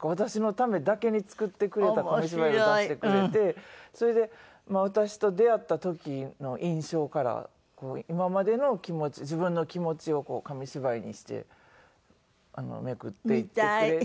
私のためだけに作ってくれた紙芝居を出してくれてそれで私と出会った時の印象から今までの自分の気持ちを紙芝居にしてめくっていってくれて。